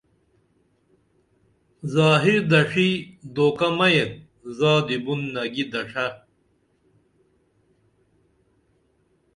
ظاہر دڇھی دھوکہ مہ یت زادی بُن نگی دڇھہ